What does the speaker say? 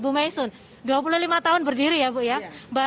bu maisun dua puluh lima tahun berdiri ya bu ya